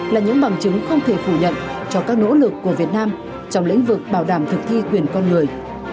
là những bằng chứng không thể phủ nhận cho các nỗ lực của việt nam trong lĩnh vực bảo đảm thực thi quyền con người